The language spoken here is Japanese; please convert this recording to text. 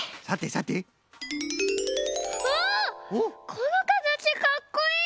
このかたちかっこいい！